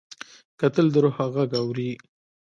کتل د روح غږ اوري